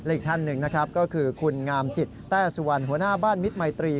อีกท่านหนึ่งก็คือคุณงามจิตแตสวรหัวหน้าบ้านมิตรไมตรี